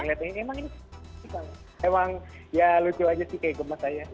emang ini emang ya lucu aja sih kayak gemas saya